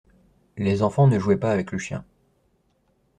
Les enfants ne jouaient pas avec le chien.